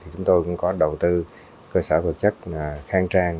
chúng tôi cũng có đầu tư cơ sở vật chất khang trang